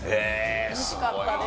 おいしかったです。